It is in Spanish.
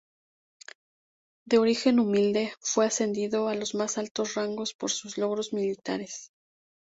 De origen humilde, fue ascendiendo a los más altos rangos por sus logros militares.